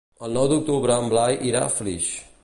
El nou d'octubre en Blai irà a Flix.